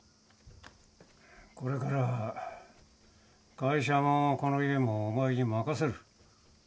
これからは会社もこの家もお前に任せる。